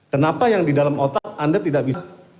kenapa yang di dalam otak anda tidak bisa